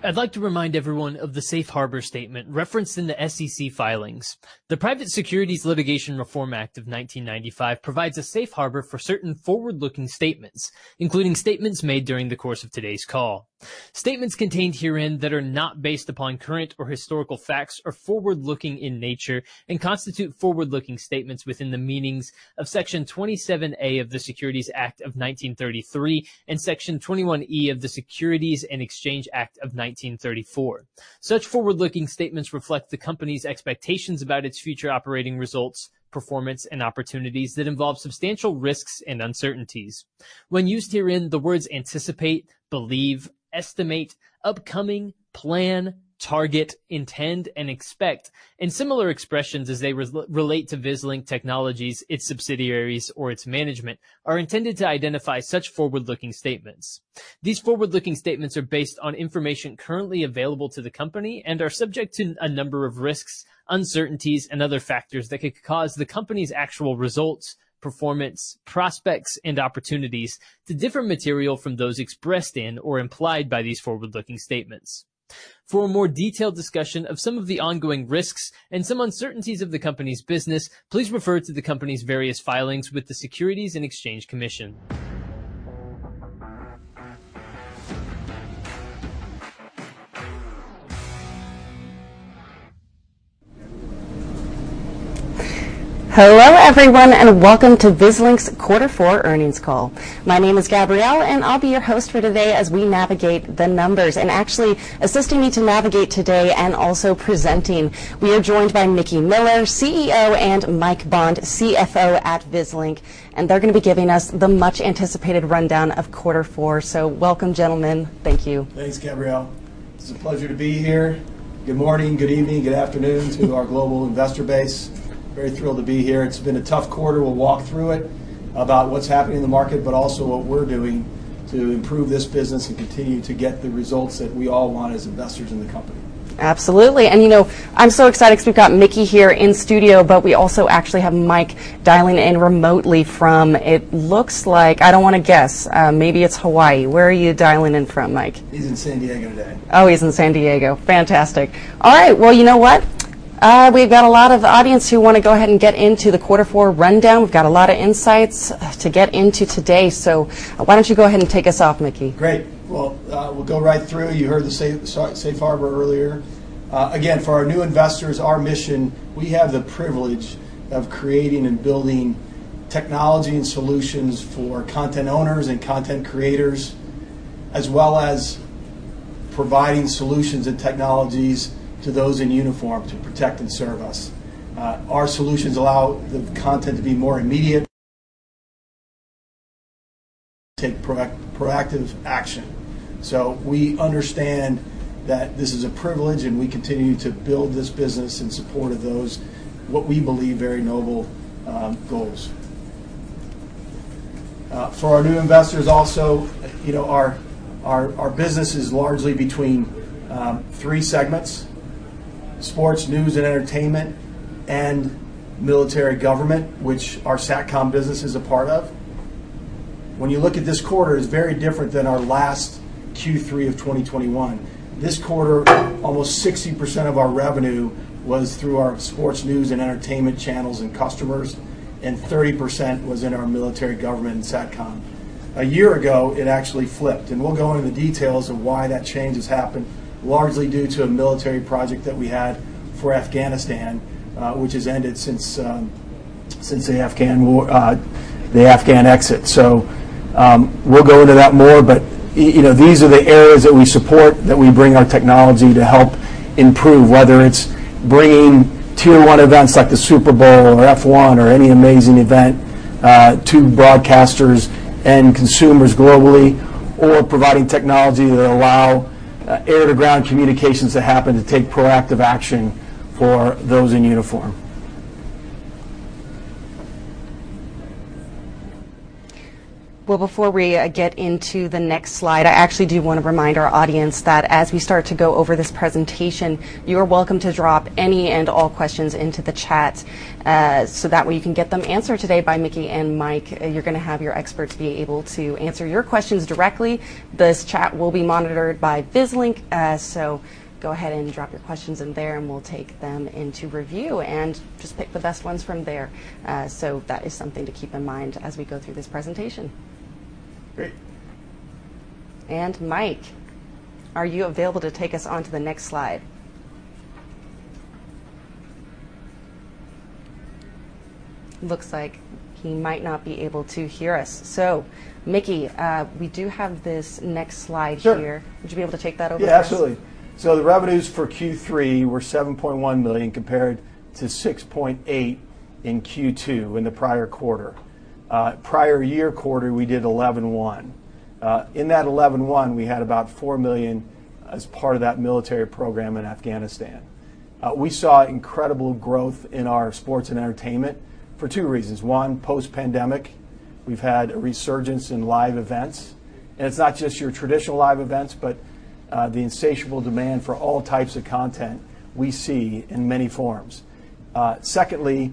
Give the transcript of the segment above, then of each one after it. I'd like to remind everyone of the safe harbor statement referenced in the SEC filings. The Private Securities Litigation Reform Act of 1995 provides a safe harbor for certain forward-looking statements, including statements made during the course of today's call. Statements contained herein that are not based upon current or historical facts are forward-looking in nature and constitute forward-looking statements within the meanings of Section 27A of the Securities Act of 1933 and Section 21E of the Securities Exchange Act of 1934. Such forward-looking statements reflect the company's expectations about its future operating results, performance, and opportunities that involve substantial risks and uncertainties. When used herein, the words anticipate, believe, estimate, upcoming, plan, target, intend, and expect, and similar expressions as they relate to Vislink Technologies, its subsidiaries, or its management, are intended to identify such forward-looking statements. These forward-looking statements are based on information currently available to the company and are subject to a number of risks, uncertainties, and other factors that could cause the company's actual results, performance, prospects, and opportunities to differ materially from those expressed in or implied by these forward-looking statements. For a more detailed discussion of some of the ongoing risks and some uncertainties of the company's business, please refer to the company's various filings with the Securities and Exchange Commission. Hello, everyone, and welcome to Vislink's Quarter Four Earnings Call. My name is Gabrielle, and I'll be your host for today as we navigate the numbers. Actually assisting me to navigate today and also presenting, we are joined by Mickey Miller, CEO, and Mike Bond, CFO at Vislink, and they're gonna be giving us the much-anticipated rundown of quarter four. Welcome, gentlemen. Thank you. Thanks, Gabrielle. It's a pleasure to be here. Good morning, good evening, good afternoon to our global investor base. Very thrilled to be here. It's been a tough quarter. We'll walk through it, about what's happening in the market, but also what we're doing to improve this business and continue to get the results that we all want as investors in the company. Absolutely. You know, I'm so excited 'cause we've got Mickey here in studio, but we also actually have Mike dialing in remotely from. It looks like, I don't wanna guess, maybe it's Hawaii. Where are you dialing in from, Mike? He's in San Diego today. Oh, he's in San Diego. Fantastic. All right. Well, you know what? We've got a lot of audience who wanna go ahead and get into the quarter four rundown. We've got a lot of insights to get into today, so why don't you go ahead and take us off, Mickey. Great. Well, we'll go right through. You heard the safe harbor earlier. Again, for our new investors, our mission, we have the privilege of creating and building technology and solutions for content owners and content creators, as well as providing solutions and technologies to those in uniform to protect and serve us. Our solutions allow the content to be more immediate, take proactive action. So we understand that this is a privilege, and we continue to build this business in support of those, what we believe, very noble goals. For our new investors also, you know, our business is largely between three segments: sports, news, and entertainment, and military government, which our SATCOM business is a part of. When you look at this quarter, it's very different than our last Q3 of 2021. This quarter, almost 60% of our revenue was through our sports, news, and entertainment channels and customers, and 30% was in our military, government, and SATCOM. A year ago, it actually flipped, and we'll go into the details of why that change has happened, largely due to a military project that we had for Afghanistan, which has ended since the Afghan exit. We'll go into that more, but you know, these are the areas that we support, that we bring our technology to help improve, whether it's bringing tier one events like the Super Bowl or F1 or any amazing event to broadcasters and consumers globally, or providing technology that allow air-to-ground communications to happen to take proactive action for those in uniform. Well, before we get into the next slide, I actually do wanna remind our audience that as we start to go over this presentation, you're welcome to drop any and all questions into the chat, so that way you can get them answered today by Mickey and Mike. You're gonna have your experts be able to answer your questions directly. This chat will be monitored by Vislink, so go ahead and drop your questions in there, and we'll take them into review and just pick the best ones from there. That is something to keep in mind as we go through this presentation. Great. Mike, are you available to take us on to the next slide? Looks like he might not be able to hear us. Mickey, we do have this next slide here. Sure. Would you be able to take that over for us? Yeah, absolutely. The revenues for Q3 were $7.1 million compared to $6.8 million in Q2 in the prior quarter. Prior year quarter, we did $11.1 million. In that $11.1 million, we had about $4 million as part of that military program in Afghanistan. We saw incredible growth in our sports and entertainment for two reasons. One, post-pandemic, we've had a resurgence in live events, and it's not just your traditional live events, but the insatiable demand for all types of content we see in many forms. Secondly,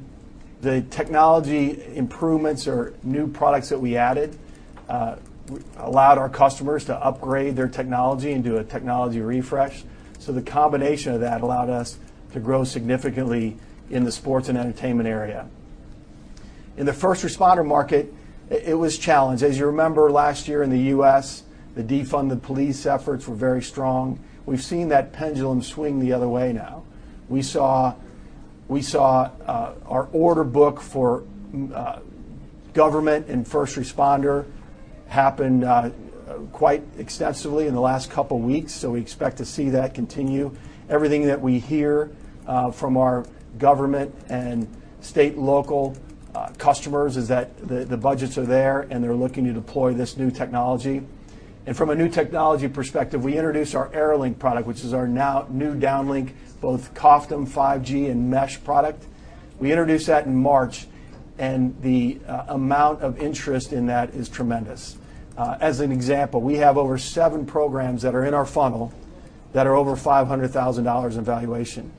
The technology improvements or new products that we added allowed our customers to upgrade their technology and do a technology refresh. The combination of that allowed us to grow significantly in the sports and entertainment area. In the first responder market, it was challenged. As you remember, last year in the U.S., the defund the police efforts were very strong. We've seen that pendulum swing the other way now. We saw our order book for government and first responder happen quite extensively in the last couple weeks. We expect to see that continue. Everything that we hear from our government and state and local customers is that the budgets are there, and they're looking to deploy this new technology. From a new technology perspective, we introduced our AeroLink product, which is our new downlink, both COFDM, 5G, and mesh product. We introduced that in March, and the amount of interest in that is tremendous. As an example, we have over seven programs that are in our funnel that are over $500,000 in valuation.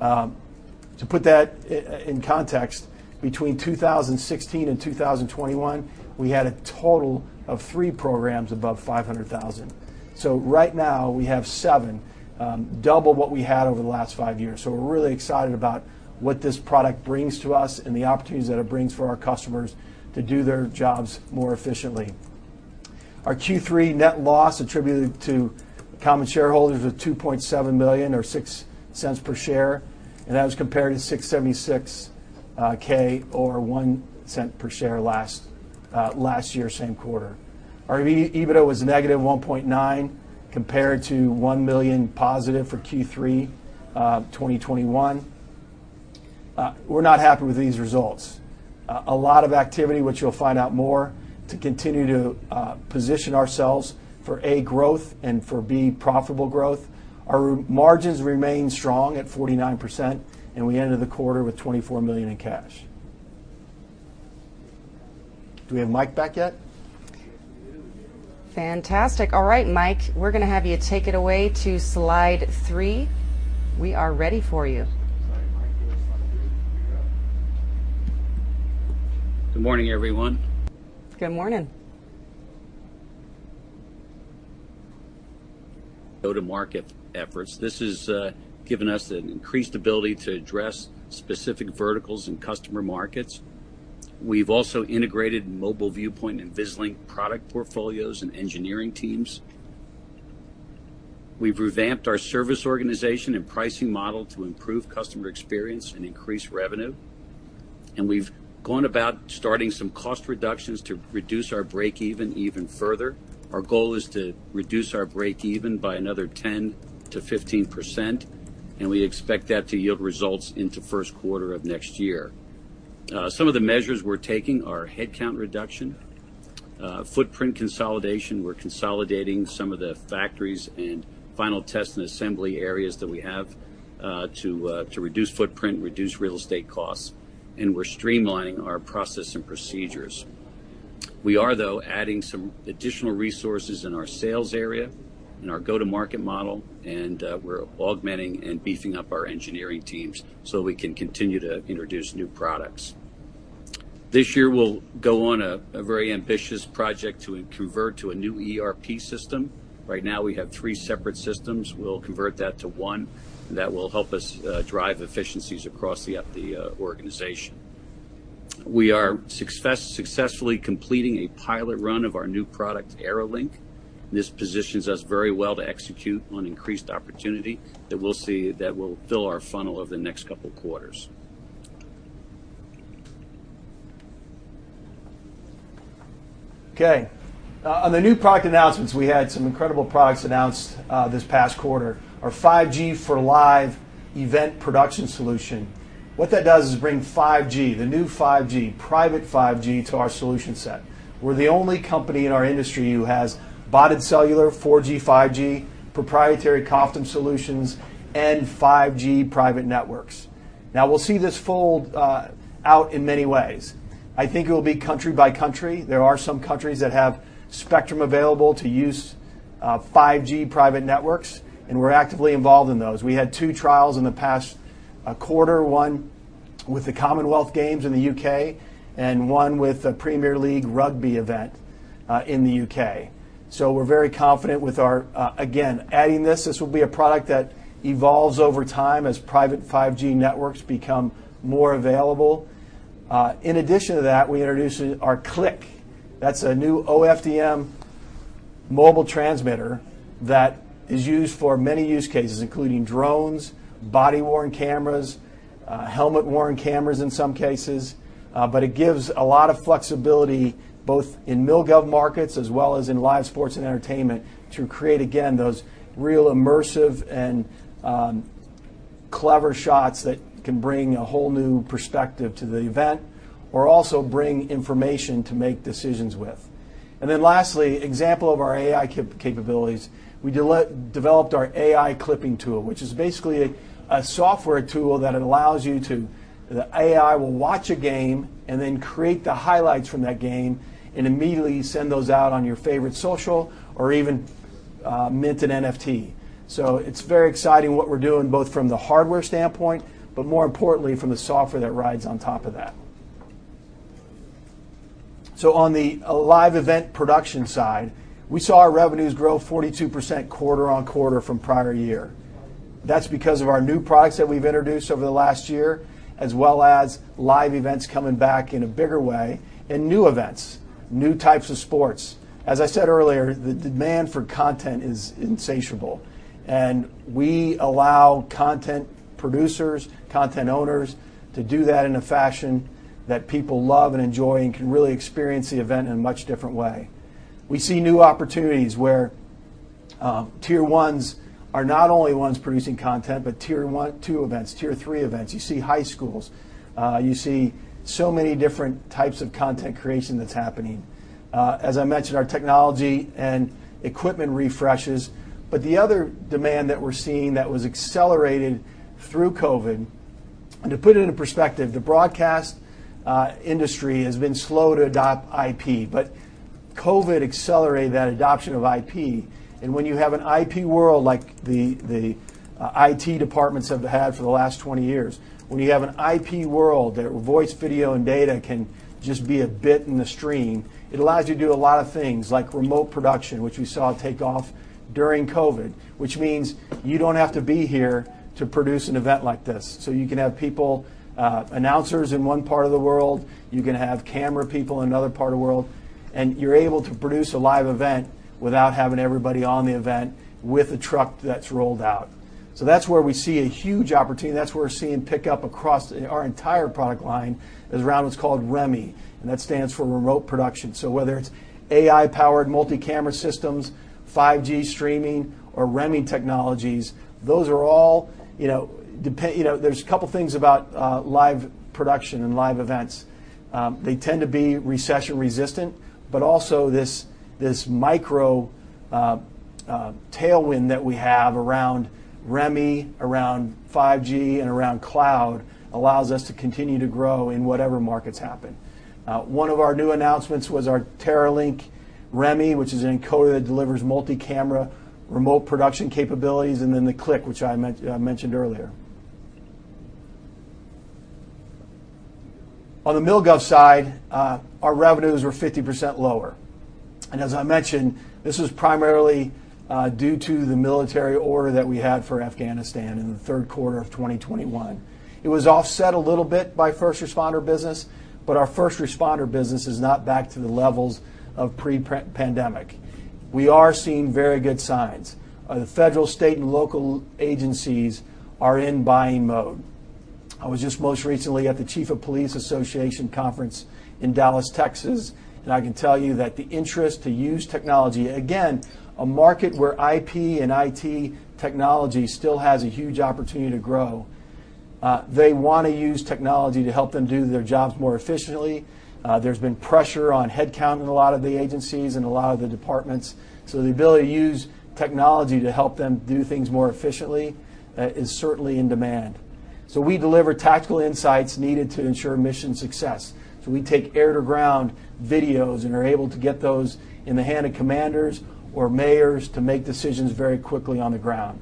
To put that in context, between 2016 and 2021, we had a total of three programs above $500,000. Right now, we have seven, double what we had over the last five years. We're really excited about what this product brings to us and the opportunities that it brings for our customers to do their jobs more efficiently. Our Q3 net loss attributed to common shareholders was $2.7 million or $0.06 per share, and that was compared to $676,000 or $0.01 per share last year, same quarter. Our EBITDA was negative $1.9 million, compared to $1 million positive for Q3 2021. We're not happy with these results. A lot of activity, which you'll find out more, to continue to position ourselves for A, growth and for B, profitable growth. Our margins remain strong at 49%, and we ended the quarter with $24 million in cash. Do we have Mike back yet? [inaudible] Yes, we do. Fantastic. All right, Mike, we're gonna have you take it away to slide three. We are ready for you. Sorry, Mike. You have slide three. You're up. Good morning, everyone. Good morning. Go-to-market efforts. This has given us an increased ability to address specific verticals and customer markets. We've also integrated Mobile Viewpoint and Vislink product portfolios and engineering teams. We've revamped our service organization and pricing model to improve customer experience and increase revenue, and we've gone about starting some cost reductions to reduce our break even further. Our goal is to reduce our break even by another 10%-15%, and we expect that to yield results into first quarter of next year. Some of the measures we're taking are headcount reduction, footprint consolidation. We're consolidating some of the factories and final test and assembly areas that we have to reduce footprint, reduce real estate costs, and we're streamlining our process and procedures. We are, though, adding some additional resources in our sales area, in our go-to-market model, and, we're augmenting and beefing up our engineering teams, so we can continue to introduce new products. This year, we'll go on a very ambitious project to convert to a new ERP system. Right now, we have three separate systems. We'll convert that to one. That will help us drive efficiencies across the organization. We are successfully completing a pilot run of our new product, AeroLink. This positions us very well to execute on increased opportunity that we'll see, that will fill our funnel over the next couple quarters. Okay. On the new product announcements, we had some incredible products announced this past quarter. Our 5G 4Live. What that does is bring 5G, the new 5G, private 5G, to our solution set. We're the only company in our industry who has bonded cellular 4G, 5G, proprietary COFDM solutions, and 5G private networks. Now we'll see this roll out in many ways. I think it will be country by country. There are some countries that have spectrum available to use 5G private networks, and we're actively involved in those. We had two trials in the past quarter, one with the Commonwealth Games in the U.K. and one with a Premiership Rugby event in the U.K. We're very confident with our again adding this. This will be a product that evolves over time as private 5G networks become more available. In addition to that, we introduced our Cliq. That's a new OFDM mobile transmitter that is used for many use cases, including drones, body-worn cameras, helmet-worn cameras in some cases, but it gives a lot of flexibility both in MilGov markets as well as in live sports and entertainment to create, again, those real immersive and clever shots that can bring a whole new perspective to the event or also bring information to make decisions with. Lastly, example of our AI capabilities. We developed our AI Clipping Tool, which is basically a software tool that allows you to. The AI will watch a game and then create the highlights from that game and immediately send those out on your favorite social or even mint and NFT. It's very exciting what we're doing both from the hardware standpoint, but more importantly, from the software that rides on top of that. On the live event production side, we saw our revenues grow 42% quarter-over-quarter from prior year. That's because of our new products that we've introduced over the last year, as well as live events coming back in a bigger way, and new events, new types of sports. As I said earlier, the demand for content is insatiable, and we allow content producers, content owners to do that in a fashion that people love and enjoy and can really experience the event in a much different way. We see new opportunities where tier ones are not only ones producing content, but tier one-two events, tier three events. You see high schools, you see so many different types of content creation that's happening. As I mentioned, our technology and equipment refreshes. The other demand that we're seeing that was accelerated through COVID, and to put it into perspective, the broadcast industry has been slow to adopt IP, but COVID accelerated that adoption of IP. When you have an IP world like the IT departments have had for the last 20 years, when you have an IP world that voice, video, and data can just be a bit in the stream, it allows you to do a lot of things like remote production, which we saw take off during COVID, which means you don't have to be here to produce an event like this. You can have people, announcers in one part of the world, you can have camera people in another part of the world, and you're able to produce a live event without having everybody on the event with a truck that's rolled out. That's where we see a huge opportunity. That's where we're seeing pickup across our entire product line is around what's called REMI, and that stands for Remote Production. Whether it's AI-powered multi-camera systems, 5G streaming, or REMI technologies, those are all, you know, you know, there's a couple of things about, live production and live events. They tend to be recession-resistant, but also this micro tailwind that we have around REMI, around 5G, and around cloud allows us to continue to grow in whatever markets happen. One of our new announcements was our TerraLink REMI, which is an encoder that delivers multi-camera remote production capabilities, and then the Cliq, which I mentioned earlier. On the MilGov side, our revenues were 50% lower. As I mentioned, this was primarily due to the military order that we had for Afghanistan in the third quarter of 2021. It was offset a little bit by first responder business, but our first responder business is not back to the levels of pre-pandemic. We are seeing very good signs. The federal state and local agencies are in buying mode. I was just most recently at the International Association of Chiefs of Police conference in Dallas, Texas, and I can tell you that the interest to use technology, again, a market where IP and IT technology still has a huge opportunity to grow. They wanna use technology to help them do their jobs more efficiently. There's been pressure on headcount in a lot of the agencies and a lot of the departments. The ability to use technology to help them do things more efficiently is certainly in demand. We deliver tactical insights needed to ensure mission success. We take air-to-ground videos and are able to get those in the hand of commanders or mayors to make decisions very quickly on the ground.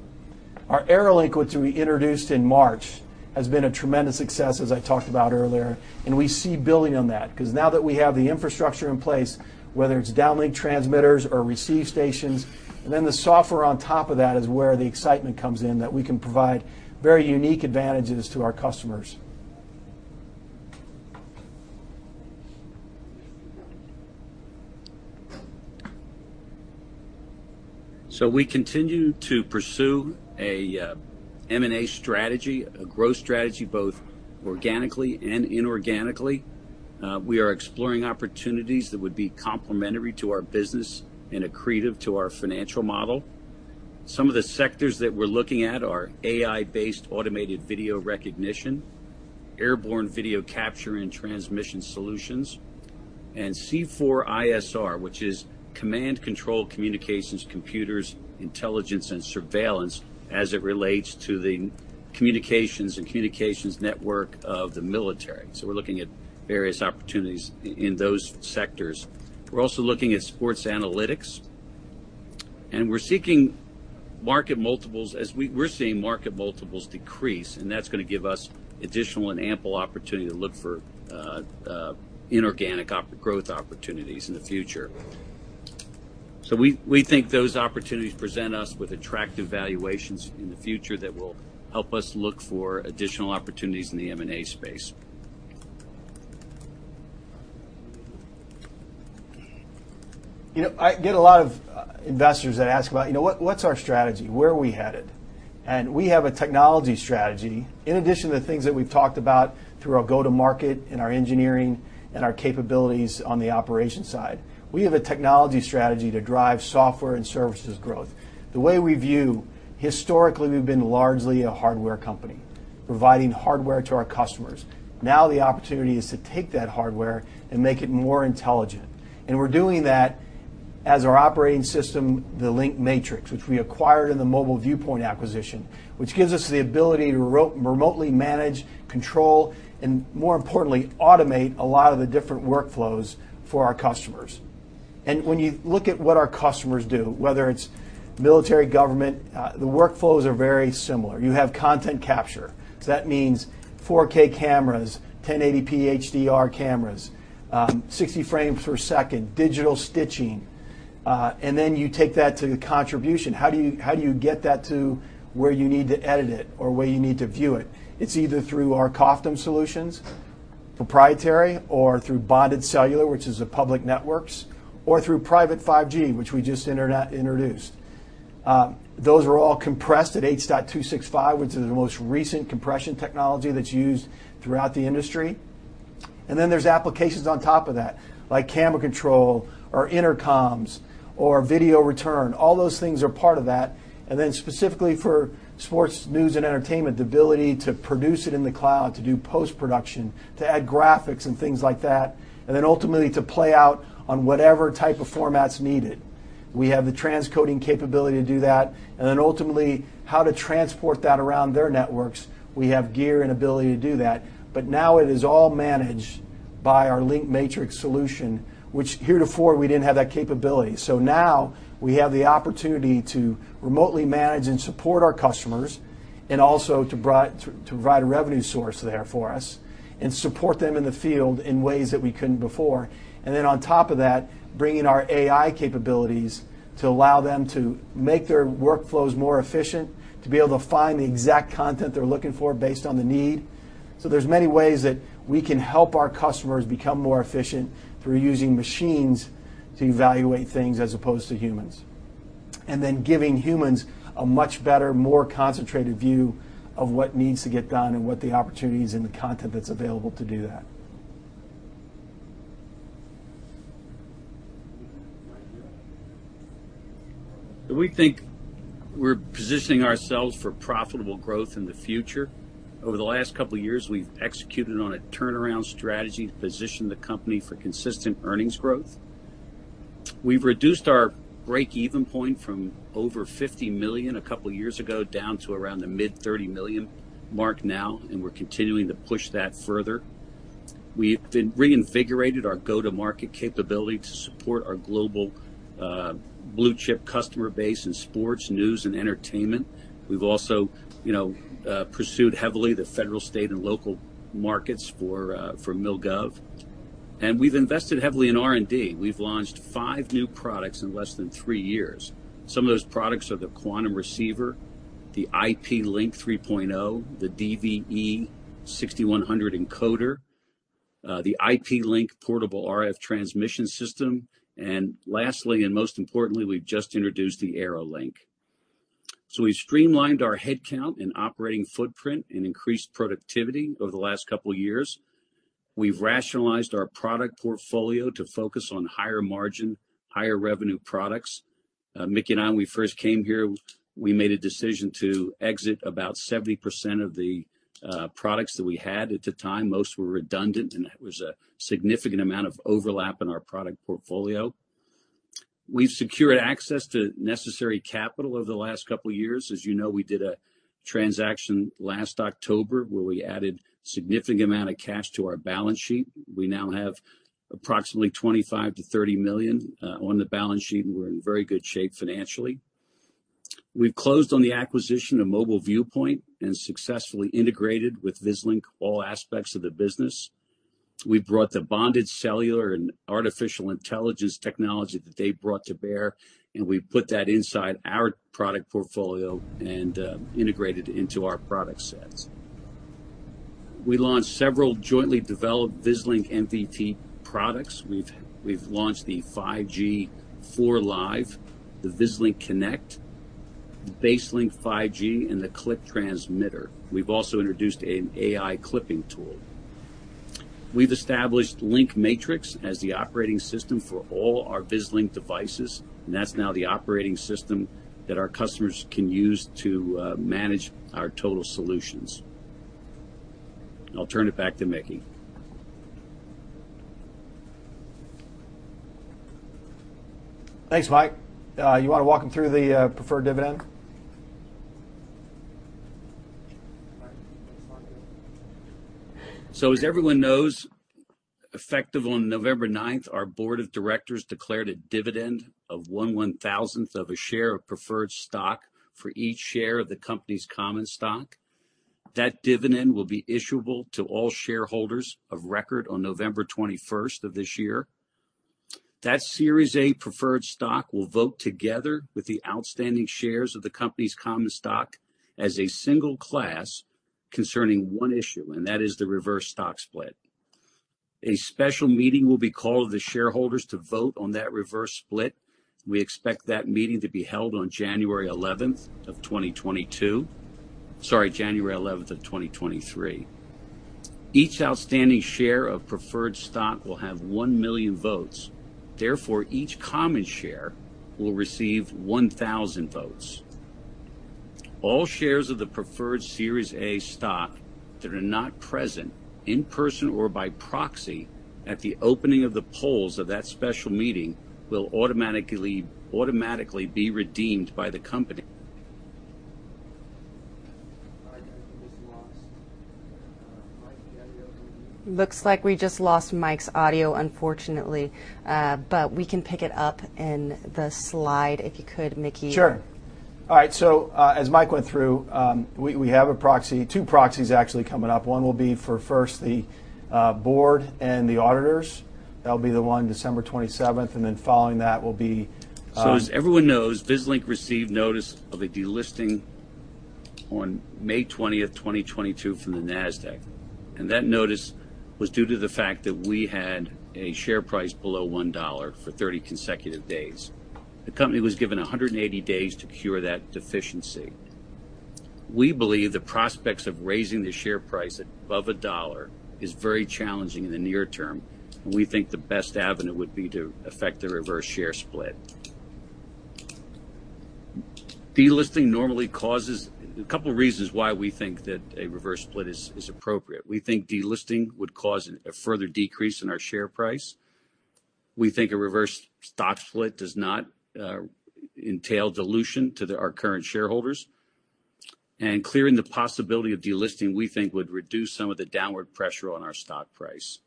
Our AeroLink, which we introduced in March, has been a tremendous success, as I talked about earlier, and we see building on that because now that we have the infrastructure in place, whether it's downlink transmitters or receive stations, and then the software on top of that is where the excitement comes in, that we can provide very unique advantages to our customers. We continue to pursue a M&A strategy, a growth strategy, both organically and inorganically. We are exploring opportunities that would be complementary to our business and accretive to our financial model. Some of the sectors that we're looking at are AI-based automated video recognition, airborne video capture and transmission solutions, and C4ISR, which is Command, Control, Communications, Computers, Intelligence, and Surveillance, as it relates to the communications network of the military. We're looking at various opportunities in those sectors. We're also looking at sports analytics, and we're seeking market multiples as we're seeing market multiples decrease, and that's gonna give us additional and ample opportunity to look for inorganic growth opportunities in the future. We think those opportunities present us with attractive valuations in the future that will help us look for additional opportunities in the M&A space. You know, I get a lot of investors that ask about, you know, what's our strategy? Where are we headed? We have a technology strategy. In addition to the things that we've talked about through our go-to-market and our engineering and our capabilities on the operations side, we have a technology strategy to drive software and services growth. The way we view, historically, we've been largely a hardware company, providing hardware to our customers. Now, the opportunity is to take that hardware and make it more intelligent. We're doing that as our operating system, the LinkMatrix, which we acquired in the Mobile Viewpoint acquisition, which gives us the ability to remotely manage, control, and more importantly, automate a lot of the different workflows for our customers. When you look at what our customers do, whether it's military, government, the workflows are very similar. You have content capture. That means 4K cameras, 1080p HDR cameras, 60 frames per second, digital stitching. You take that to the contribution. How do you get that to where you need to edit it or where you need to view it? It's either through our COFDM solutions, proprietary, or through bonded cellular, which is the public networks, or through private 5G, which we just introduced. Those are all compressed at H.265, which is the most recent compression technology that's used throughout the industry. There's applications on top of that, like camera control or intercoms or video return. All those things are part of that. Specifically for sports, news, and entertainment, the ability to produce it in the cloud, to do post-production, to add graphics and things like that, and then ultimately to play out on whatever type of format's needed. We have the transcoding capability to do that, and then ultimately, how to transport that around their networks. We have gear and ability to do that. Now it is all managed by our LinkMatrix solution, which heretofore we didn't have that capability. Now we have the opportunity to remotely manage and support our customers and also to provide a revenue source there for us and support them in the field in ways that we couldn't before. On top of that, bringing our AI capabilities to allow them to make their workflows more efficient, to be able to find the exact content they're looking for based on the need. There's many ways that we can help our customers become more efficient through using machines to evaluate things as opposed to humans. Giving humans a much better, more concentrated view of what needs to get done and what the opportunities and the content that's available to do that. We think we're positioning ourselves for profitable growth in the future. Over the last couple of years, we've executed on a turnaround strategy to position the company for consistent earnings growth. We've reduced our break-even point from over $50 million a couple of years ago down to around the mid-$30 million mark now, and we're continuing to push that further. We've reinvigorated our go-to-market capability to support our global, blue-chip customer base in sports, news, and entertainment. We've also, you know, pursued heavily the federal, state, and local markets for MilGov. We've invested heavily in R&D. We've launched five new products in less than three years. Some of those products are the Quantum Receiver, the IP Link 3.0, the DVE 6100 encoder, the IP Link Portable RF Transmission System. Lastly, and most importantly, we've just introduced the AeroLink. We've streamlined our headcount and operating footprint and increased productivity over the last couple of years. We've rationalized our product portfolio to focus on higher margin, higher revenue products. Mickey and I, when we first came here, we made a decision to exit about 70% of the products that we had at the time. Most were redundant, and that was a significant amount of overlap in our product portfolio. We've secured access to necessary capital over the last couple of years. As you know, we did a transaction last October, where we added significant amount of cash to our balance sheet. We now have approximately $25 million-$30 million on the balance sheet, and we're in very good shape financially. We've closed on the acquisition of Mobile Viewpoint and successfully integrated with Vislink all aspects of the business. We've brought the bonded cellular and artificial intelligence technology that they brought to bear, and we put that inside our product portfolio and integrated into our product sets. We launched several jointly developed Vislink MVP products. We've launched the 5G 4Live, the Vislink Connect, the BaseLink 5G, and the Cliq transmitter. We've also introduced an AI Clipping Tool. We've established LinkMatrix as the operating system for all our Vislink devices, and that's now the operating system that our customers can use to manage our total solutions. I'll turn it back to Mickey. Thanks, Mike. You wanna walk them through the preferred dividend? As everyone knows, effective on November ninth, our board of directors declared a dividend of one one-thousandth of a share of preferred stock for each share of the company's common stock. That dividend will be issuable to all shareholders of record on November twenty-first of this year. That Series A preferred stock will vote together with the outstanding shares of the company's common stock as a single class concerning one issue, and that is the reverse stock split. A special meeting will be called of the shareholders to vote on that reverse split. We expect that meeting to be held on January eleventh of 2022. Sorry, January eleventh of 2023. Each outstanding share of preferred stock will have one million votes. Therefore, each common share will receive 1,000 votes. All shares of the preferred Series A stock that are not present in person or by proxy at the opening of the polls of that special meeting will automatically be redeemed by the company. Looks like we just lost Mike's audio, unfortunately. We can pick it up in the slide, if you could, Mickey. Sure. All right. As Mike went through, we have two proxies actually coming up. One will be for the board and the auditors. That'll be the one December twenty-seventh, and then following that will be. As everyone knows, Vislink received notice of a delisting on May 20, 2022 from the Nasdaq. That notice was due to the fact that we had a share price below $1 for 30 consecutive days. The company was given 180 days to cure that deficiency. We believe the prospects of raising the share price above $1 is very challenging in the near term, and we think the best avenue would be to effect a reverse share split. A couple reasons why we think that a reverse split is appropriate. We think delisting would cause a further decrease in our share price. We think a reverse stock split does not entail dilution to our current shareholders. Clearing the possibility of delisting, we think would reduce some of the downward pressure on our stock price.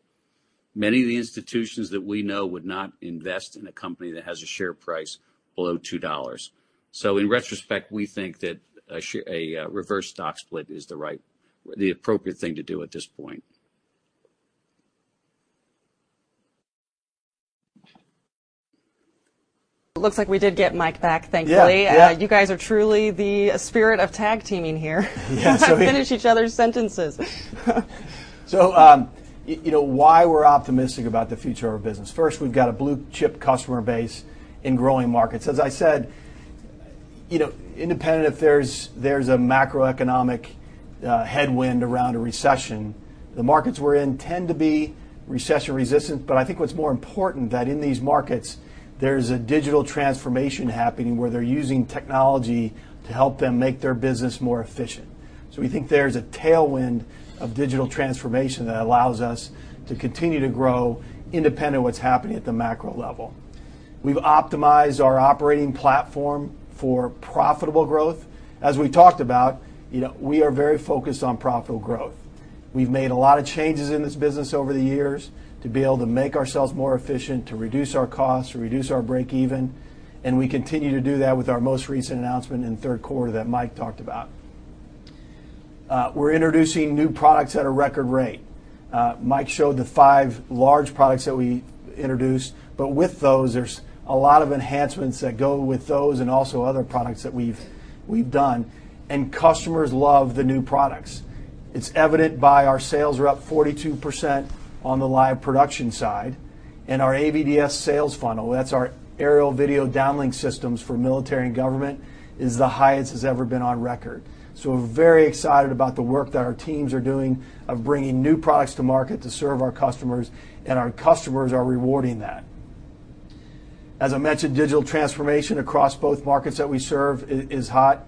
Many of the institutions that we know would not invest in a company that has a share price below $2. In retrospect, we think that a reverse stock split is the right, appropriate thing to do at this point. Looks like we did get Mike back, thankfully. Yeah. Yeah. You guys are truly the spirit of tag teaming here. Yeah. Finish each other's sentences. You know why we're optimistic about the future of our business. First, we've got a blue chip customer base in growing markets. As I said, you know, independent if there's a macroeconomic headwind around a recession, the markets we're in tend to be recession resistant. But I think what's more important that in these markets, there's a digital transformation happening where they're using technology to help them make their business more efficient. We think there's a tailwind of digital transformation that allows us to continue to grow independent of what's happening at the macro level. We've optimized our operating platform for profitable growth. As we talked about, you know, we are very focused on profitable growth. We've made a lot of changes in this business over the years to be able to make ourselves more efficient, to reduce our costs, to reduce our break even, and we continue to do that with our most recent announcement in the third quarter that Mike talked about. We're introducing new products at a record rate. Mike showed the five large products that we introduced, but with those, there's a lot of enhancements that go with those and also other products that we've done. Customers love the new products. It's evident by our sales are up 42% on the live production side. Our AVDS sales funnel, that's our Airborne Video Downlink Systems for military and government, is the highest it's ever been on record. We're very excited about the work that our teams are doing of bringing new products to market to serve our customers, and our customers are rewarding that. As I mentioned, digital transformation across both markets that we serve is hot.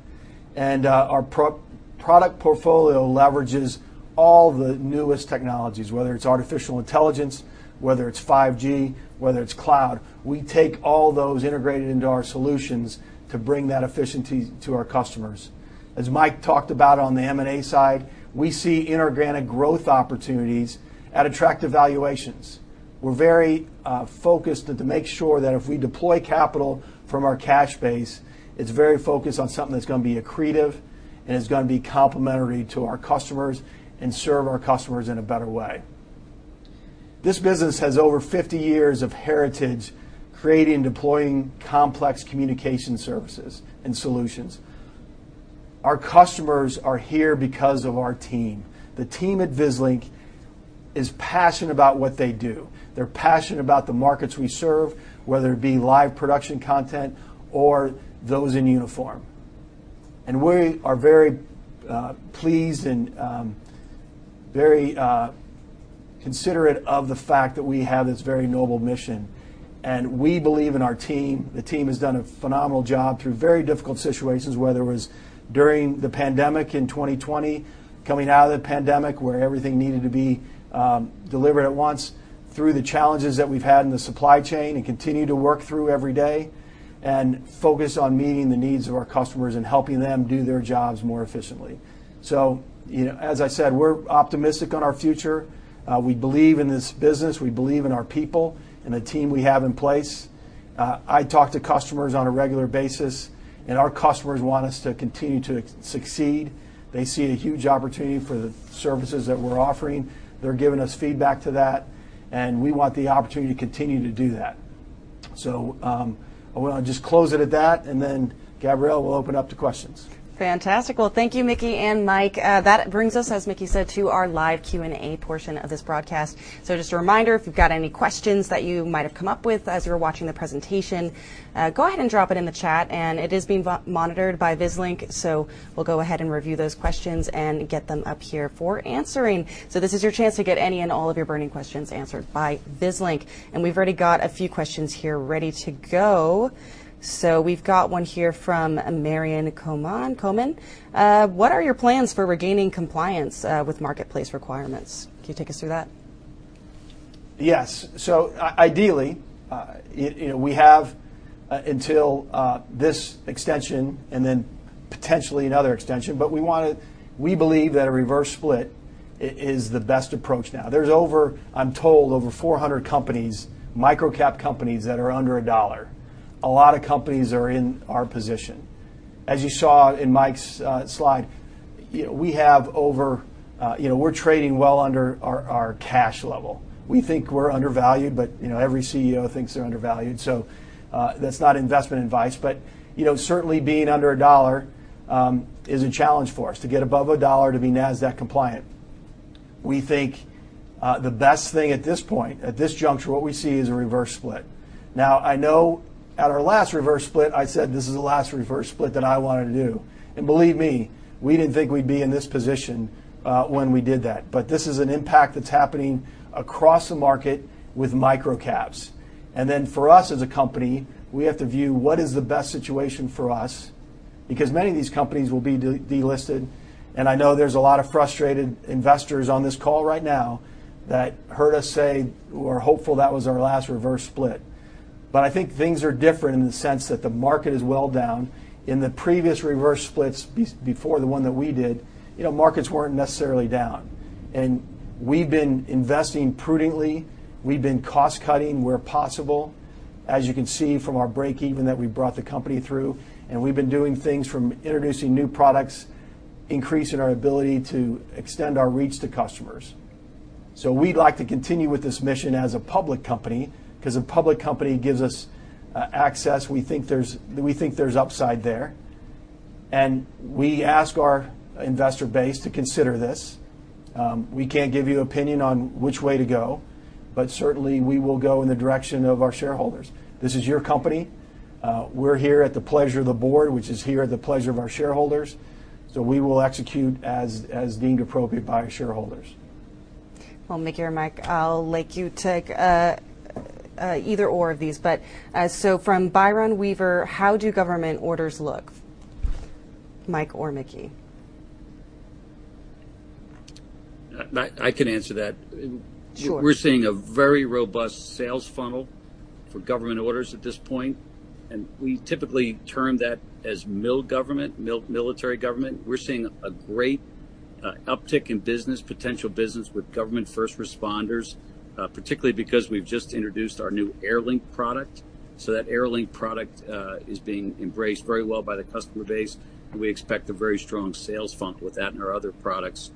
Our product portfolio leverages all the newest technologies, whether it's artificial intelligence, whether it's 5G, whether it's cloud. We take all those integrated into our solutions to bring that efficiency to our customers. As Mike talked about on the M&A side, we see inorganic growth opportunities at attractive valuations. We're very focused to make sure that if we deploy capital from our cash base, it's very focused on something that's gonna be accretive and is gonna be complementary to our customers and serve our customers in a better way. This business has over 50 years of heritage creating and deploying complex communication services and solutions. Our customers are here because of our team. The team at Vislink is passionate about what they do. They're passionate about the markets we serve, whether it be live production content or those in uniform. We are very pleased and very considerate of the fact that we have this very noble mission, and we believe in our team. The team has done a phenomenal job through very difficult situations, whether it was during the pandemic in 2020, coming out of the pandemic where everything needed to be delivered at once, through the challenges that we've had in the supply chain and continue to work through every day and focus on meeting the needs of our customers and helping them do their jobs more efficiently. You know, as I said, we're optimistic on our future. We believe in this business, we believe in our people and the team we have in place. I talk to customers on a regular basis, and our customers want us to continue to succeed. They see a huge opportunity for the services that we're offering. They're giving us feedback to that, and we want the opportunity to continue to do that. I wanna just close it at that, and then Gabrielle will open up to questions. Fantastic. Well, thank you, Mickey and Mike. That brings us, as Mickey said, to our live Q&A portion of this broadcast. Just a reminder, if you've got any questions that you might have come up with as you were watching the presentation, go ahead and drop it in the chat, and it is being monitored by Vislink. We'll go ahead and review those questions and get them up here for answering. This is your chance to get any and all of your burning questions answered by Vislink. We've already got a few questions here ready to go. We've got one here from Marian Coman. "What are your plans for regaining compliance with marketplace requirements?" Can you take us through that? Yes. Ideally, you know, we have until this extension and then potentially another extension, but we believe that a reverse split is the best approach now. There's over, I'm told, over 400 companies, microcap companies that are under a dollar. A lot of companies are in our position. As you saw in Mike's slide, you know, we have over, you know, we're trading well under our cash level. We think we're undervalued, but, you know, every CEO thinks they're undervalued, so that's not investment advice. You know, certainly being under a dollar is a challenge for us to get above a dollar to be Nasdaq compliant. We think the best thing at this point, at this juncture, what we see is a reverse split. Now, I know at our last reverse split, I said this is the last reverse split that I wanted to do. Believe me, we didn't think we'd be in this position when we did that. This is an impact that's happening across the market with microcaps. Then for us as a company, we have to view what is the best situation for us, because many of these companies will be delisted. I know there's a lot of frustrated investors on this call right now that heard us say we're hopeful that was our last reverse split. I think things are different in the sense that the market is well down. In the previous reverse splits before the one that we did, you know, markets weren't necessarily down. We've been investing prudently, we've been cost-cutting where possible, as you can see from our breakeven that we brought the company through, and we've been doing things from introducing new products, increasing our ability to extend our reach to customers. We'd like to continue with this mission as a public company, 'cause a public company gives us access. We think there's upside there. We ask our investor base to consider this. We can't give our opinion on which way to go, but certainly we will go in the direction of our shareholders. This is your company. We're here at the pleasure of the board, which is here at the pleasure of our shareholders, so we will execute as deemed appropriate by our shareholders. Well, Mickey or Mike, I'll let you take either or of these. From Byron Weaver: How do government orders look? Mike or Mickey. I can answer that. Sure. We're seeing a very robust sales funnel for government orders at this point, and we typically term that as MilGov, military government. We're seeing a great uptick in business, potential business with government first responders, particularly because we've just introduced our new AeroLink product. That AeroLink product is being embraced very well by the customer base, and we expect a very strong sales funnel with that and our other products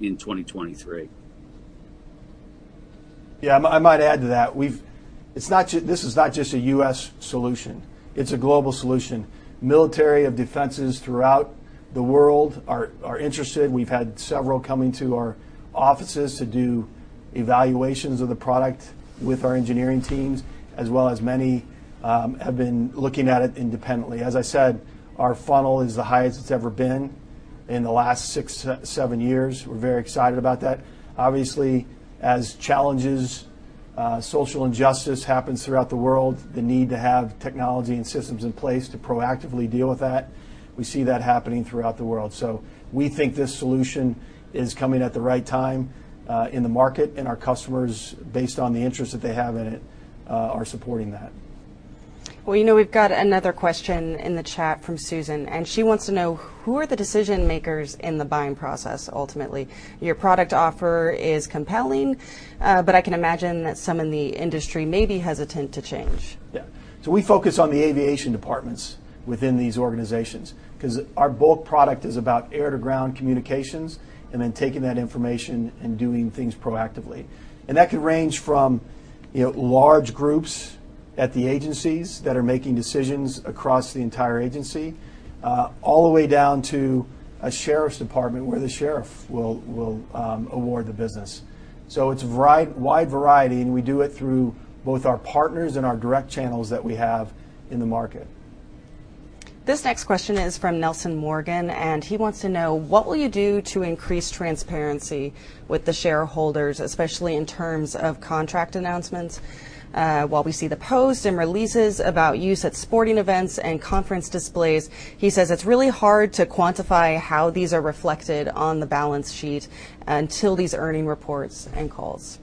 in 2023. Yeah. I might add to that. This is not just a U.S. solution, it's a global solution. Ministries of Defense throughout the world are interested. We've had several coming to our offices to do evaluations of the product with our engineering teams, as well as many have been looking at it independently. As I said, our funnel is the highest it's ever been in the last six-seven years. We're very excited about that. Obviously, as challenges, social injustice happens throughout the world, the need to have technology and systems in place to proactively deal with that, we see that happening throughout the world. We think this solution is coming at the right time in the market, and our customers, based on the interest that they have in it, are supporting that. Well, you know, we've got another question in the chat from Susan, and she wants to know: Who are the decision makers in the buying process ultimately? Your product offer is compelling, but I can imagine that some in the industry may be hesitant to change. Yeah. We focus on the aviation departments within these organizations 'cause our bulk product is about air-to-ground communications and then taking that information and doing things proactively. That can range from, you know, large groups at the agencies that are making decisions across the entire agency, all the way down to a sheriff's department where the sheriff will award the business. It's wide variety, and we do it through both our partners and our direct channels that we have in the market. This next question is from Nelson Morgan, and he wants to know: What will you do to increase transparency with the shareholders, especially in terms of contract announcements? While we see the press releases about use at sporting events and conference displays, he says it's really hard to quantify how these are reflected on the balance sheet until these earnings reports and calls.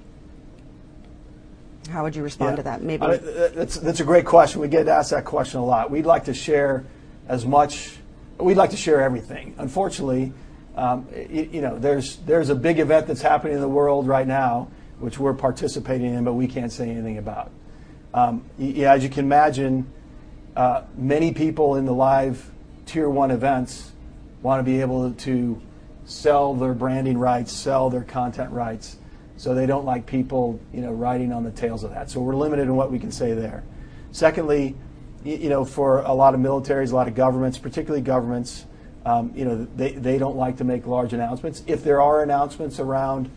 How would you respond to that? Yeah. Maybe- That's a great question. We get asked that question a lot. We'd like to share everything. Unfortunately, you know, there's a big event that's happening in the world right now, which we're participating in, but we can't say anything about. Yeah, as you can imagine, many people in the live tier one events wanna be able to sell their branding rights, sell their content rights, so they don't like people, you know, riding on the tails of that. We're limited in what we can say there. Secondly, you know, for a lot of militaries, a lot of governments, particularly governments, you know, they don't like to make large announcements. If there are announcements around,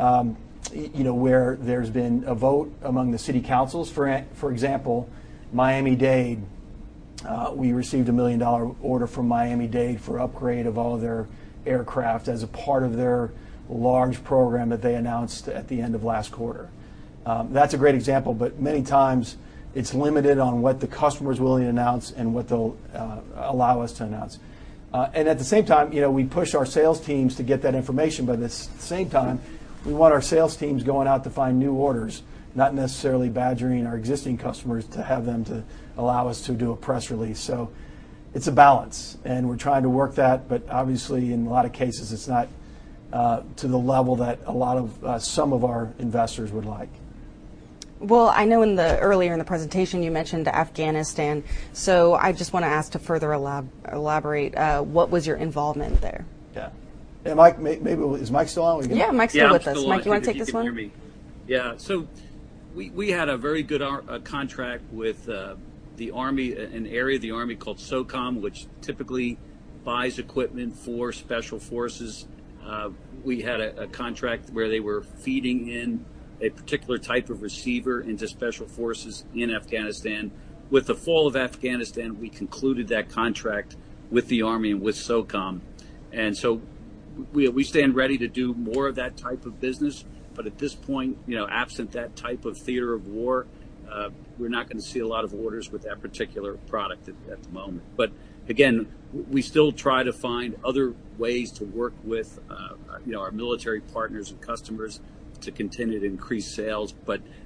you know, where there's been a vote among the city councils, for example, Miami-Dade, we received a $1 million order from Miami-Dade for upgrade of all their aircraft as a part of their large program that they announced at the end of last quarter. That's a great example, but many times it's limited on what the customer is willing to announce and what they'll allow us to announce. At the same time, you know, we push our sales teams to get that information, but at the same time, we want our sales teams going out to find new orders, not necessarily badgering our existing customers to have them to allow us to do a press release. It's a balance, and we're trying to work that, but obviously in a lot of cases it's not to the level that a lot of some of our investors would like. Well, I know in the earlier in the presentation, you mentioned Afghanistan, so I just wanna ask to further elaborate, what was your involvement there? Yeah. Is Mike still on? Yeah, Mike's still with us. Yeah, I'm still on. Mike, do you wanna take this one? If you can hear me. Yeah. We had a very good, our contract with the army, an area of the army called SOCOM, which typically buys equipment for Special Forces. We had a contract where they were feeding in a particular type of receiver into Special Forces in Afghanistan. With the fall of Afghanistan, we concluded that contract with the army and with SOCOM. We stand ready to do more of that type of business. But at this point, you know, absent that type of theater of war, we're not gonna see a lot of orders with that particular product at the moment. But again, we still try to find other ways to work with, you know, our military partners and customers to continue to increase sales.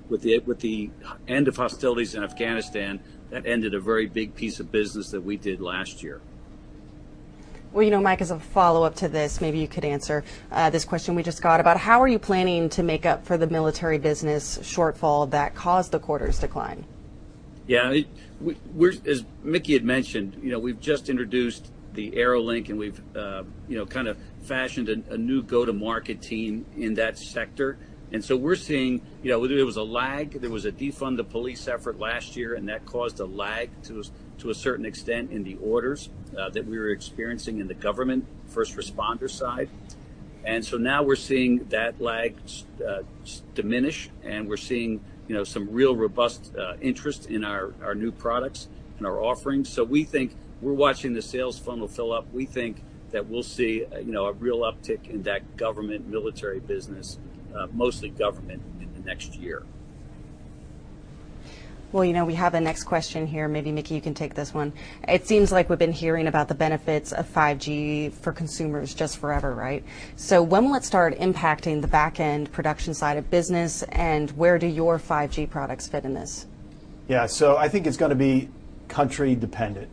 With the end of hostilities in Afghanistan, that ended a very big piece of business that we did last year. Well, you know, Mike, as a follow-up to this, maybe you could answer, this question we just got about how are you planning to make up for the military business shortfall that caused the quarter's decline? Yeah. We're as Mickey had mentioned, you know, we've just introduced the AeroLink, and we've, you know, kind of fashioned a new go-to-market team in that sector. We're seeing, you know, there was a lag, there was a defund the police effort last year, and that caused a lag to a certain extent in the orders that we were experiencing in the government first responder side. Now we're seeing that lag diminish, and we're seeing, you know, some really robust interest in our new products and our offerings. We think we're watching the sales funnel fill up. We think that we'll see, you know, a real uptick in that government military business, mostly government in the next year. Well, you know, we have a next question here. Maybe Mickey, you can take this one. It seems like we've been hearing about the benefits of 5G for consumers just forever, right? When will it start impacting the backend production side of business, and where do your 5G products fit in this? Yeah. I think it's gonna be country dependent.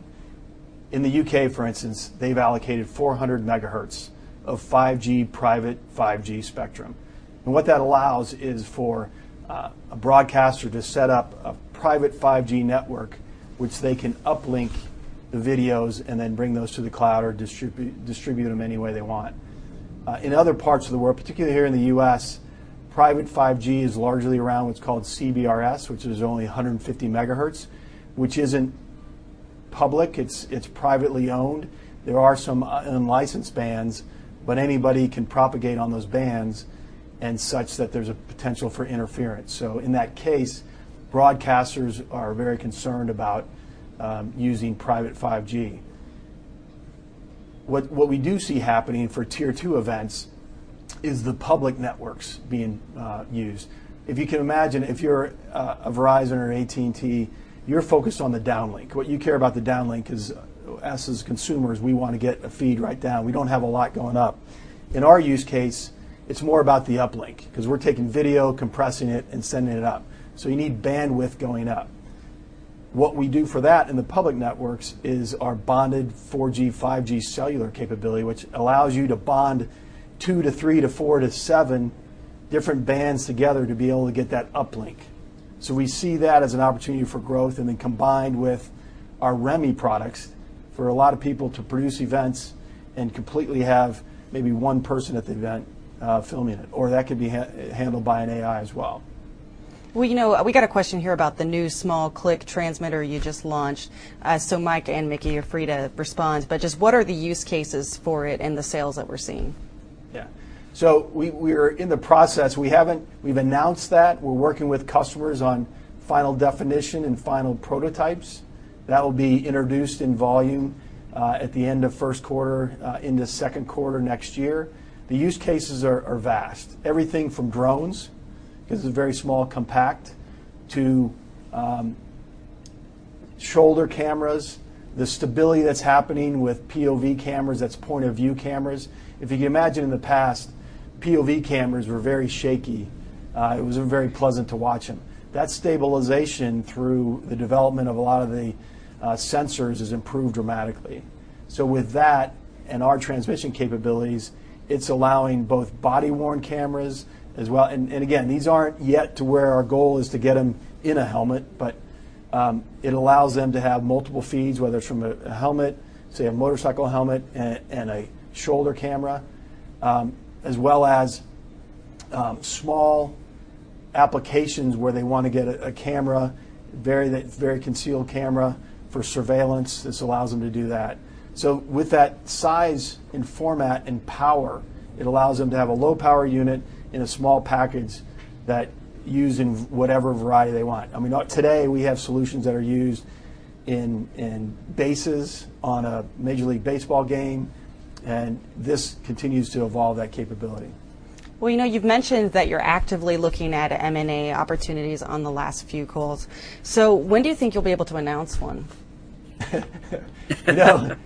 In the U.K., for instance, they've allocated 400 megahertz of 5G private 5G spectrum, and what that allows is for a broadcaster to set up a private 5G network, which they can uplink the videos and then bring those to the cloud or distribute them any way they want. In other parts of the world, particularly here in the U.S., private 5G is largely around what's called CBRS, which is only 150 megahertz, which isn't public. It's privately owned. There are some unlicensed bands, but anybody can propagate on those bands and such that there's a potential for interference. In that case, broadcasters are very concerned about using private 5G. What we do see happening for tier two events is the public networks being used. If you can imagine, if you're a Verizon or an AT&T, you're focused on the downlink. What you care about the downlink is us, as consumers, we wanna get a feed right down. We don't have a lot going up. In our use case, it's more about the uplink 'cause we're taking video, compressing it, and sending it up. You need bandwidth going up. What we do for that in the public networks is our bonded 4G, 5G cellular capability, which allows you to bond two to three to four to seven different bands together to be able to get that uplink. We see that as an opportunity for growth, and then combined with our REMI products for a lot of people to produce events and completely have maybe one person at the event, filming it, or that could be handled by an AI as well. Well, you know, we got a question here about the new small Cliq transmitter you just launched. So Mike and Mickey, you're free to respond, but just what are the use cases for it and the sales that we're seeing? Yeah. We are in the process. We've announced that. We're working with customers on final definition and final prototypes. That will be introduced in volume at the end of first quarter into second quarter next year. The use cases are vast. Everything from drones, 'cause it's very small, compact, to shoulder cameras. The stability that's happening with POV cameras, that's point of view cameras. If you can imagine in the past, POV cameras were very shaky. It wasn't very pleasant to watch them. That stabilization through the development of a lot of the sensors has improved dramatically. With that and our transmission capabilities, it's allowing both body-worn cameras as well. Again, these aren't yet to where our goal is to get them in a helmet, but it allows them to have multiple feeds, whether it's from a helmet, say, a motorcycle helmet and a shoulder camera, as well as small applications where they wanna get a camera very concealed camera for surveillance. This allows them to do that. With that size and format and power, it allows them to have a low power unit in a small package that they use in whatever variety they want. I mean, today we have solutions that are used in bases, on a Major League Baseball game, and this continues to evolve that capability. Well, you know, you've mentioned that you're actively looking at M&A opportunities on the last few calls. When do you think you'll be able to announce one? You know,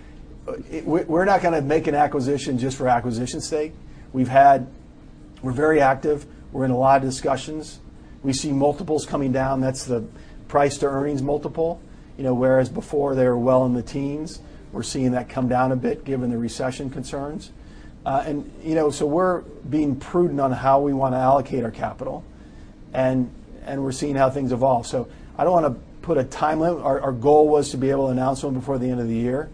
we're not gonna make an acquisition just for acquisition's sake. We're very active. We're in a lot of discussions. We see multiples coming down. That's the price-to-earnings multiple. You know, whereas before they were well in the teens, we're seeing that come down a bit given the recession concerns. You know, we're being prudent on how we wanna allocate our capital and we're seeing how things evolve. I don't wanna put a timeline. Our goal was to be able to announce one before the end of the year,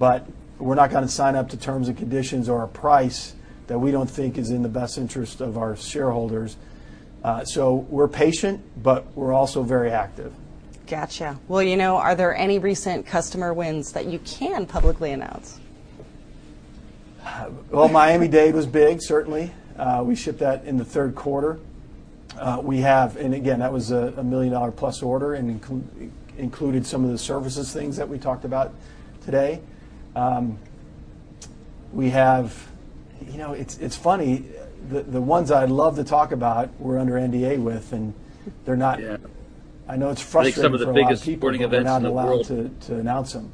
but we're not gonna sign up to terms and conditions or a price that we don't think is in the best interest of our shareholders. We're patient, but we're also very active. Gotcha. Well, you know, are there any recent customer wins that you can publicly announce? Well, Miami-Dade was big, certainly. We shipped that in the third quarter. Again, that was a $1 million-plus order and included some of the services things that we talked about today. We have. You know, it's funny, the ones I'd love to talk about we're under NDA with, and they're not. Yeah. I know it's frustrating for a lot of people. Like some of the biggest sporting events in the world. We're not allowed to announce them.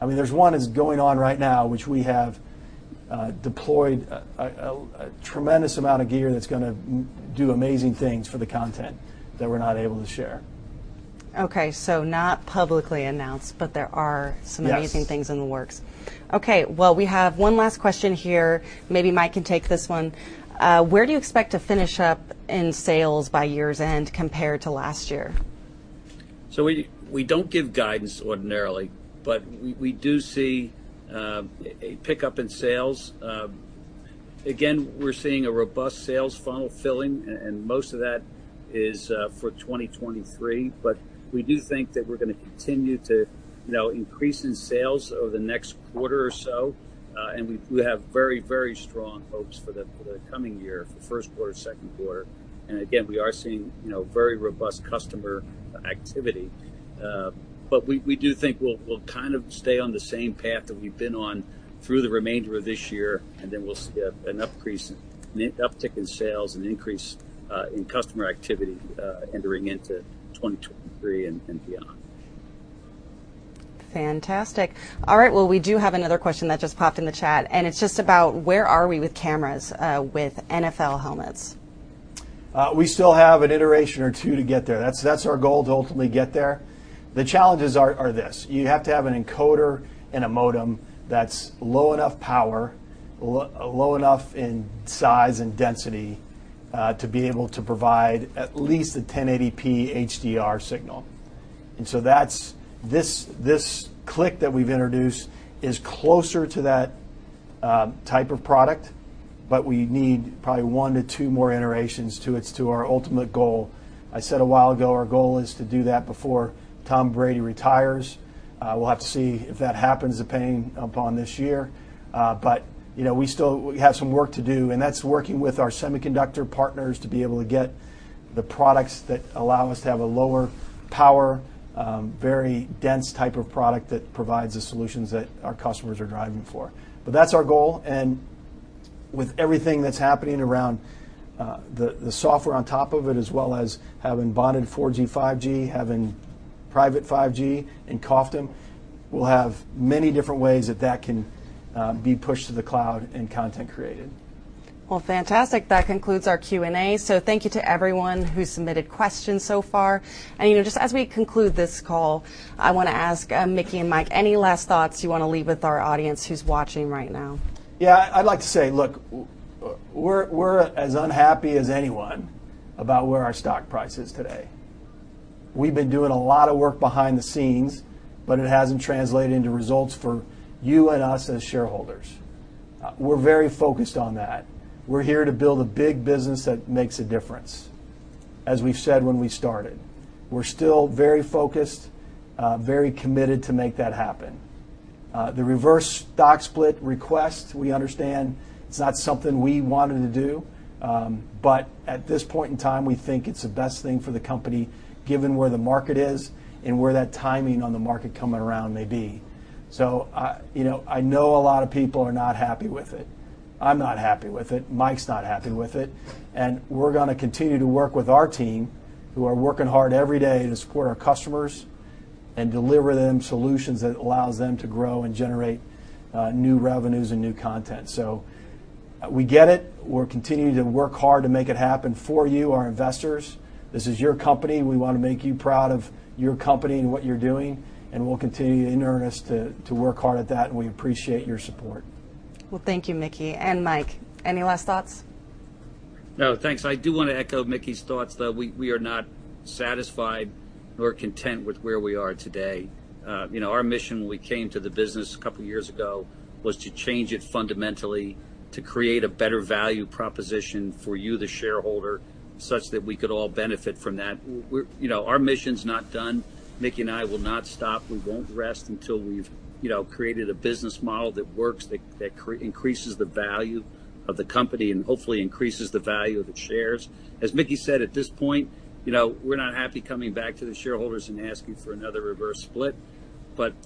I mean, there's one that's going on right now, which we have deployed a tremendous amount of gear that's gonna do amazing things for the content, that we're not able to share. Okay, not publicly announced, but there are some. Yes... amazing things in the works. Okay. Well, we have one last question here. Maybe Mike can take this one. Where do you expect to finish up in sales by year's end compared to last year? We don't give guidance ordinarily, but we do see a pickup in sales. Again, we're seeing a robust sales funnel filling and most of that is for 2023. We do think that we're gonna continue to, you know, increase in sales over the next quarter or so, and we have very strong hopes for the coming year, for first quarter, second quarter. Again, we are seeing, you know, very robust customer activity. We do think we'll kind of stay on the same path that we've been on through the remainder of this year, and then we'll see an increase in an uptick in sales and increase in customer activity entering into 2023 and beyond. Fantastic. All right, well, we do have another question that just popped in the chat, and it's just about where are we with cameras, with NFL helmets? We still have an iteration or two to get there. That's our goal, to ultimately get there. The challenges are this: You have to have an encoder and a modem that's low enough power, low enough in size and density, to be able to provide at least a 1080p HDR signal. This Cliq that we've introduced is closer to that type of product, but we need probably one to two more iterations to our ultimate goal. I said a while ago our goal is to do that before Tom Brady retires. We'll have to see if that happens depending upon this year. You know, we still have some work to do, and that's working with our semiconductor partners to be able to get the products that allow us to have a lower power, very dense type of product that provides the solutions that our customers are driving for. That's our goal. With everything that's happening around, the software on top of it, as well as having bonded 4G, 5G, having private 5G in COFDM, we'll have many different ways that can be pushed to the cloud and content created. Well, fantastic. That concludes our Q&A. Thank you to everyone who submitted questions so far. You know, just as we conclude this call, I wanna ask, Mickey and Mike, any last thoughts you wanna leave with our audience who's watching right now? Yeah. I'd like to say, look, we're as unhappy as anyone about where our stock price is today. We've been doing a lot of work behind the scenes, but it hasn't translated into results for you and us as shareholders. We're very focused on that. We're here to build a big business that makes a difference, as we've said when we started. We're still very focused, very committed to make that happen. The reverse stock split request, we understand it's not something we wanted to do, but at this point in time, we think it's the best thing for the company given where the market is and where that timing on the market coming around may be. I, you know, I know a lot of people are not happy with it. I'm not happy with it. Mike's not happy with it. We're gonna continue to work with our team, who are working hard every day to support our customers and deliver them solutions that allows them to grow and generate new revenues and new content. We get it. We're continuing to work hard to make it happen for you, our investors. This is your company. We wanna make you proud of your company and what you're doing, and we'll continue in earnest to work hard at that, and we appreciate your support. Well, thank you, Mickey. Mike, any last thoughts? No. Thanks. I do wanna echo Mickey's thoughts, though. We are not satisfied nor content with where we are today. You know, our mission when we came to the business a couple years ago was to change it fundamentally to create a better value proposition for you, the shareholder, such that we could all benefit from that. You know, our mission's not done. Mickey and I will not stop. We won't rest until we've, you know, created a business model that works, that increases the value of the company and hopefully increases the value of its shares. As Mickey said, at this point, you know, we're not happy coming back to the shareholders and asking for another reverse split.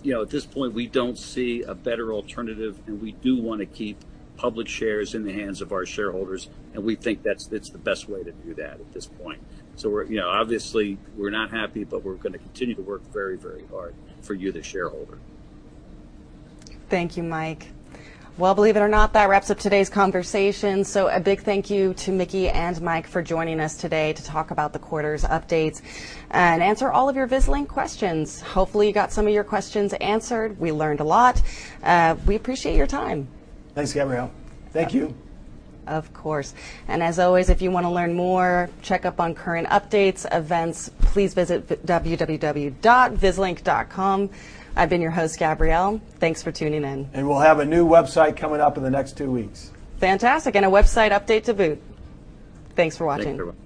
You know, at this point, we don't see a better alternative, and we do wanna keep public shares in the hands of our shareholders, and we think it's the best way to do that at this point. We're, you know, obviously we're not happy, but we're gonna continue to work very, very hard for you, the shareholder. Thank you, Mike. Well, believe it or not, that wraps up today's conversation. A big thank you to Mickey and Mike for joining us today to talk about the quarter's updates and answer all of your Vislink questions. Hopefully, you got some of your questions answered. We learned a lot. We appreciate your time. Thanks, Gabrielle. Thank you. Of course. As always, if you wanna learn more, check up on current updates, events, please visit www.vislink.com. I've been your host, Gabrielle. Thanks for tuning in. We'll have a new website coming up in the next two weeks. Fantastic. A website update to boot. Thanks for watching. Thank you very much.